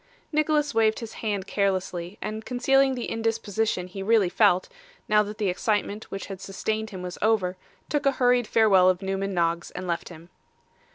Nicholas waved his hand carelessly, and concealing the indisposition he really felt, now that the excitement which had sustained him was over, took a hurried farewell of Newman Noggs, and left him.